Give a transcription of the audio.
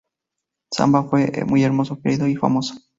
Samba fue muy hermoso, querido y famoso.